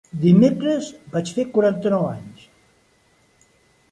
Dimecres vaig fer quaranta-nou anys.